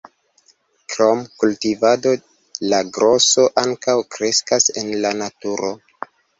Krom kultivado la groso ankaŭ kreskas en la naturo.